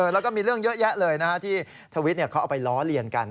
แล้วก็มีเรื่องเยอะแยะเลยที่ทวิตเขาเอาไปล้อเลียนกัน